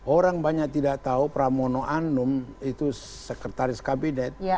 orang banyak tidak tahu pramono anum itu sekretaris kabinet